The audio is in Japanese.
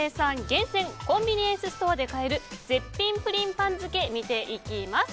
厳選コンビニエンスストアで買える絶品プリン番付を見ていきます。